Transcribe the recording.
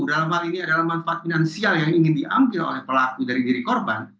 dalam hal ini adalah manfaat finansial yang ingin diambil oleh pelaku dari diri korban